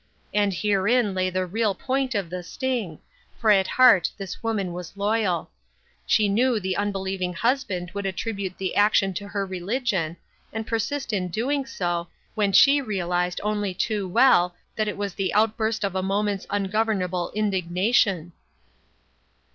And herein lay the real point of the sting, for at heart this woman was loyal. She knew the unbelieving husband would attribute the action to her religion, and per sist in doing so, when she realized only too well that it was the outburst of a moment's ungovern able indignation.